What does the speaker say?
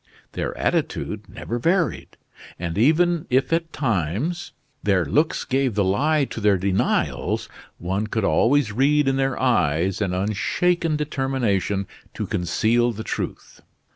Their attitude never varied! And, even if at times their looks gave the lie to their denials, one could always read in their eyes an unshaken determination to conceal the truth.